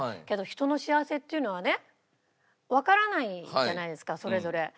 けど人の幸せっていうのはねわからないじゃないですかそれぞれ。